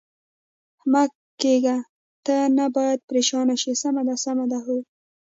مه کېږه، ته نه باید پرېشانه شې، سمه ده، سمه ده؟ هو.